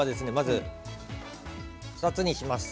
２つにします。